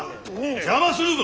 邪魔するぞ。